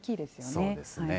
そうですね。